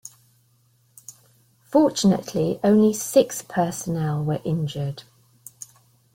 Fortunately, only six personnel were injured.